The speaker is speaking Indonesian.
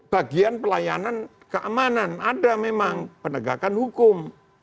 bagian pelayanan keamanan ada memang penegakan hukum